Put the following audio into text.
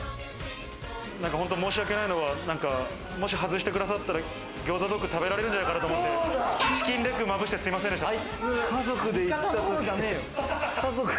なんか本当に申しわけないのはもし外してくださったら、ギョウザドッグ食べられるんじゃないかなと思って、チキンレッグ、まぶしてすみませんでした。